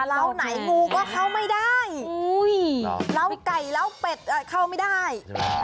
ร้าวไหนงูก็เข้าไม่ได้ร้าวไก่ร้าวเป็ดเข้าไม่ได้